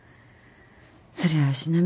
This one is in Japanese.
そりゃ足並み